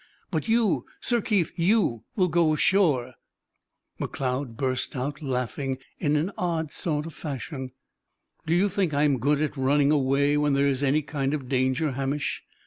But you, Sir Keith, you will go ashore!" Macleod burst out laughing, in an odd sort of fashion. "Do you think I am good at running away when there is any kind of danger, Hamish?